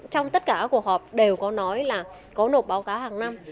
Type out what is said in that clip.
trong tất cả các cuộc họp đều có nói là có nộp báo cáo hàng năm